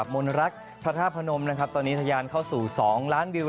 มนรักพระธาตุพนมนะครับตอนนี้ทะยานเข้าสู่๒ล้านวิว